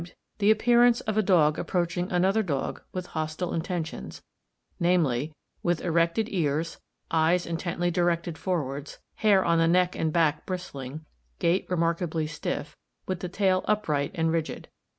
5 and 7) the appearance of a dog approaching another dog with hostile intentions, namely, with erected ears, eyes intently directed forwards, hair on the neck and back bristling, gait remarkably stiff, with the tail upright and rigid.